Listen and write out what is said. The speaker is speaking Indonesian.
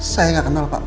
saya gak kenal pak